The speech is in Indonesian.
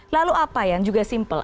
lalu apa yang juga simpel